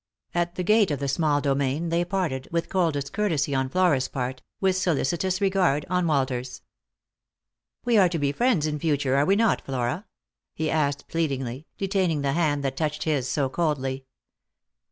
At the gate of the small domain they parted, with coldest courtesy on Flora's part, with solicitous regard on Walter's. " We are to be friends in future, are we not, Flora P " he asked pleadingly, detaining the hand that touched his so coldly.